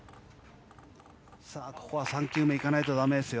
ここは３球目いかないとだめですよ。